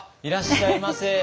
いらっしゃいませ。